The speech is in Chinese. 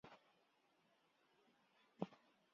因为每个时代都需要全新程度的上帝之光。